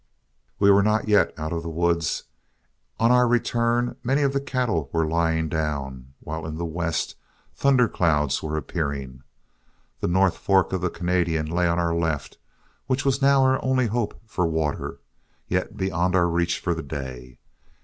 We were not yet out of the woods. On our return, many of the cattle were lying down, while in the west thunder clouds were appearing. The North Fork of the Canadian lay on our left, which was now our only hope for water, yet beyond our reach for the day.